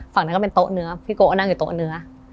ฝั่งนั้นก็เป็นโต๊ะเนื้อพี่โกก็นั่งอยู่โต๊ะเนื้อ